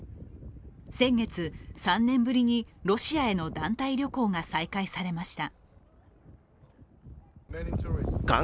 先月３年ぶりにロシアへの団体旅行が再開されました。